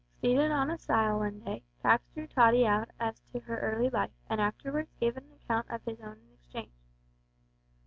Seated on a stile one day, Pax drew Tottie out as to her early life, and afterwards gave an account of his own in exchange.